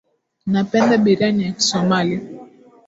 Napenda biriyani ya kisomali